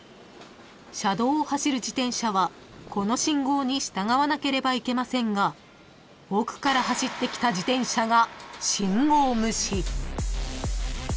［車道を走る自転車はこの信号に従わなければいけませんが奥から走ってきた自転車が］